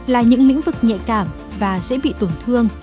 là những lĩnh vực nhạy cảm và dễ bị tổn thương